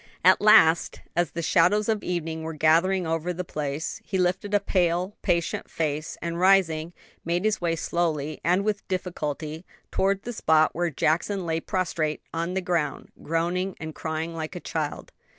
At last, as the shadows of evening were gathering over the place, he lifted a pale, patient face; and rising, made his way slowly and with difficulty towards the spot where Jackson lay prostrate on the ground, groaning and crying like a child.